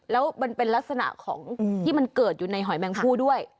แล้วมันเป็นลักษณะของที่มันเกิดอยู่ในหอยแมงพู่ด้วย